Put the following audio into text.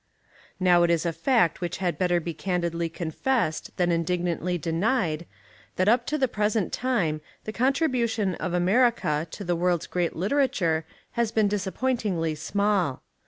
Now it is a fact which had better be candidly confessed than indignantly denied that up to the present time the contribution of America to the world's great literature has been disap pointingly small.